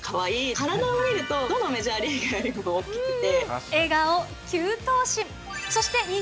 体を見ると、どのメジャーリーガーよりも大きくて。